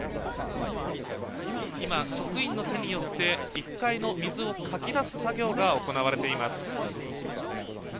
今、職員の手によって１階の水をかき出す作業が行われています。